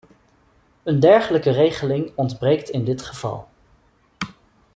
Een dergelijke regeling ontbreekt in dit geval.